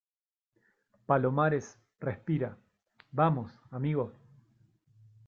palomares, respira. vamos , amigo .